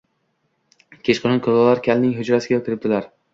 Kechqurun kulollar kalning hujrasiga kiribdilar